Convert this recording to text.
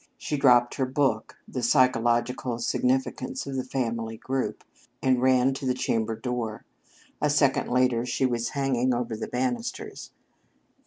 She dropped her book, "The Psychological Significance of the Family Group," and ran to the chamber door. A second later she was hanging over the banisters.